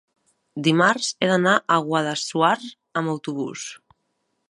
Dimarts he d'anar a Guadassuar amb autobús.